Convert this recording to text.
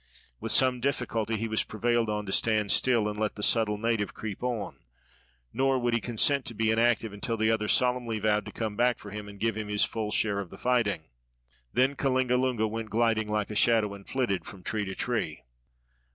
With some difficulty he was prevailed on to stand still and let the subtle native creep on, nor would he consent to be inactive until the other solemnly vowed to come back for him and give him his full share of the fighting. Then Kalingalunga went gliding like a shadow and flitted from tree to tree.